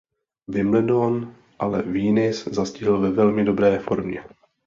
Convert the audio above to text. Wimbledon ale Venus zastihl ve velmi dobré formě.